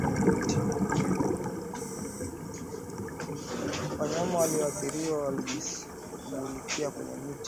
wanyama walioathiriwa wakijisugulia kwenye miti